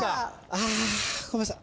あごめんなさい。